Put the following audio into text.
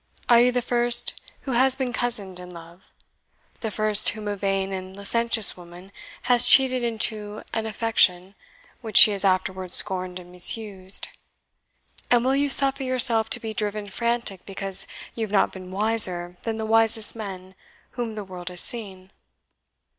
Are you the first who has been cozened in love the first whom a vain and licentious woman has cheated into an affection, which she has afterwards scorned and misused? And will you suffer yourself to be driven frantic because you have not been wiser than the wisest men whom the world has seen?